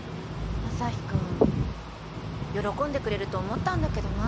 アサヒくん喜んでくれると思ったんだけどな。